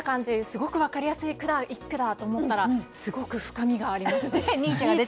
すごく分かりやすい一句だと思ったらすごい深みがありましたね。